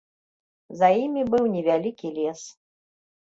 За імі быў невялікі лес.